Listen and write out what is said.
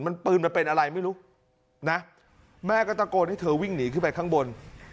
มันปืนมันเป็นอะไรไม่รู้นะแม่ก็ตะโกนให้เธอวิ่งหนีขึ้นไปข้างบน